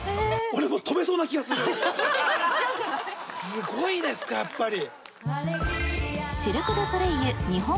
すごいですかやっぱり。